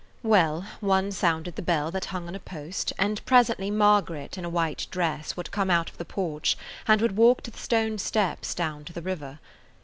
Well, one sounded the bell that hung on a post, and presently Margaret in a white dress would come out of the porch and would walk to the stone steps down to the river.